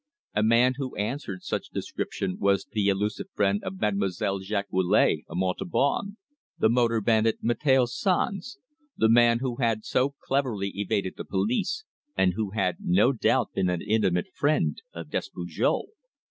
A man who answered such description was the elusive friend of Mademoiselle Jacquelot, of Montauban, the motor bandit Mateo Sanz the man who had so cleverly evaded the police, and who had no doubt been an intimate friend of Despujol!